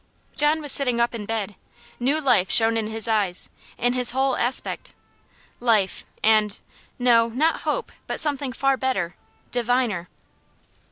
John was sitting up in bed. New life shone in his eyes, in his whole aspect. Life and no, not hope, but something far better, diviner.